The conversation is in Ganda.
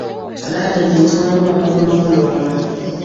Alaajanye nti waliwo abamulondoola.